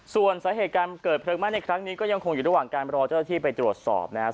ส่วนสาเหตุการเกิดเพลิงไหม้ในครั้งนี้ก็ยังคงอยู่ระหว่างการรอเจ้าหน้าที่ไปตรวจสอบนะครับ